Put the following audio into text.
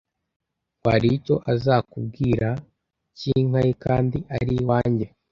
ngo hari icyo azakubwira cy'inka ye, kandi ari iwanjye